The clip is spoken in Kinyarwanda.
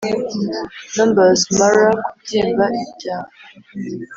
numbersmara kubyimba ibya